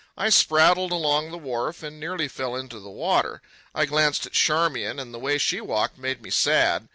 I spraddled along the wharf and nearly fell into the water. I glanced at Charmian, and the way she walked made me sad.